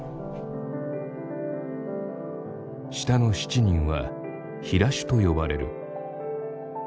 下の７人は平衆と呼ばれる。